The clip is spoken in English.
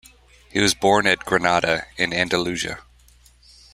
He was born at Granada, in Andalusia.